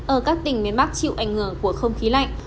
ở các tỉnh miền bắc chịu ảnh hưởng của không khí lạnh